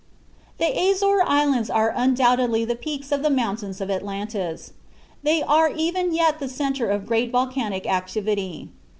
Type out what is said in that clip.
The Azore Islands are undoubtedly the peaks of the mountains of Atlantis. They are even yet the centre of great volcanic activity.